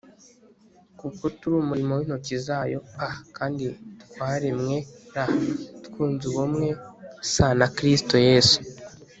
kuko turi umurimo w intoki zayo p kandi twaremwer twunze ubumwe s na Kristo Yesu